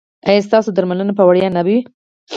ایا ستاسو درملنه به وړیا نه وي؟